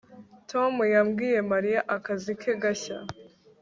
Tom yabwiye Mariya akazi ke gashya